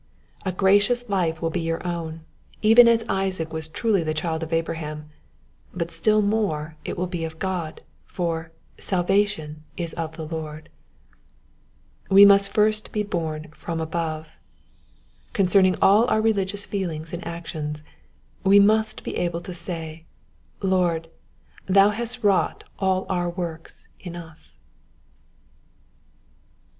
A gracious life will be your own, even as Isaac was truly the child of Abraham ; but still more it will be of God ; for " Salvation is of the Lord." We must be born from above. Concerning all our religious feelings and actions, we mnst be able to say, " Lord, thou hast wrought all our works in us.